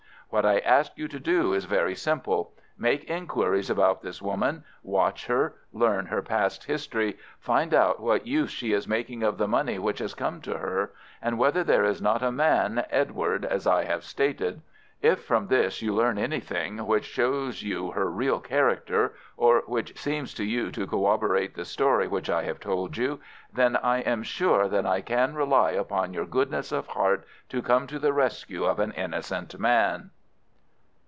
What I ask you to do is very simple. Make inquiries about this woman, watch her, learn her past history, find out what use she is making of the money which has come to her, and whether there is not a man Edward as I have stated. If from all this you learn anything which shows you her real character, or which seems to you to corroborate the story which I have told you, then I am sure that I can rely upon your goodness of heart to come to the rescue of an innocent man.